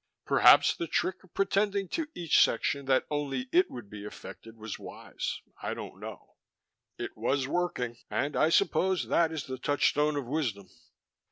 Perhaps the trick of pretending to each section that only it would be affected was wise I don't know. It was working, and I suppose that is the touchstone of wisdom.